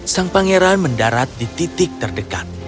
sang pangeran mendarat di titik terdekat